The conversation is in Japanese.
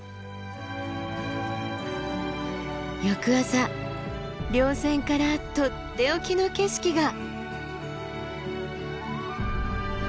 翌朝稜線からとっておきの景色が。